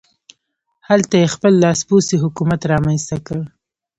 هلته یې خپل لاسپوڅی حکومت رامنځته کړ.